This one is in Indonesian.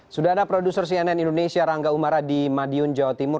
sudah ada produser cnn indonesia rangga umara di madiun jawa timur